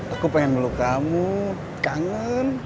aku pengen ngeluk kamu kangen